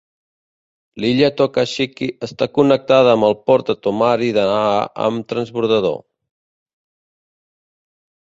L'illa Tokashiki està connectada amb el port de Tomari de Naha amb transbordador.